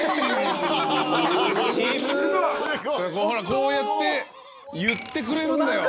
こうやって言ってくれるんだよ。